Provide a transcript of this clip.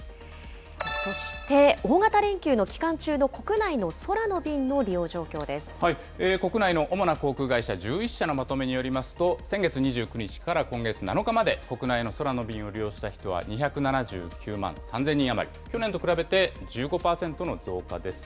そして大型連休の期間中の国内の空の便の国内の主な航空会社１１社のまとめによりますと、先月２９日から今月７日まで、国内の空の便を利用した人は２７９万３０００人余りと、去年と比べて１５％の増加です。